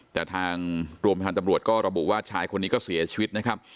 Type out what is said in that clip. แต่ทางโรงพยาบาลตำรวจก็ระบุว่าชายคนนี้ก็เสียชีวิตนะครับ